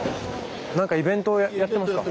何かイベントをやってますか？